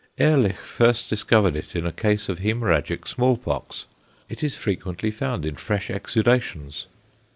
Ehrlich first discovered it in a case of hæmorrhagic small pox; it is frequently found in fresh exudations.